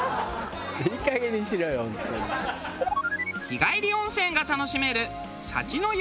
日帰り温泉が楽しめる